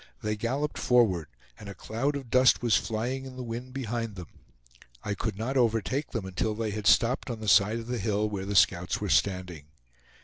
They galloped forward, and a cloud of dust was flying in the wind behind them. I could not overtake them until they had stopped on the side of the hill where the scouts were standing.